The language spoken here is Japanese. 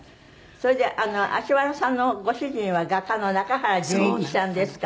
それで葦原さんのご主人は画家の中原淳一さんですから。